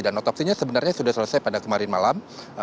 dan otopsinya sebenarnya sudah selesai pada kemarin malam